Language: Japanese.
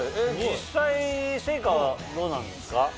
実際成果はどうなんですか？